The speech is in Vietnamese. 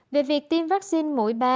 về việc tiêm vaccine mũi ba